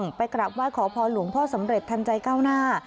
ไปกลับไหว้ขอพรหลวงพ่อสำเร็จทันใจก้าวหน้า